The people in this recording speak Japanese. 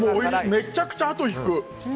めちゃくちゃ後引く。